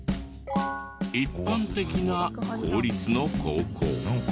一般的な公立の高校。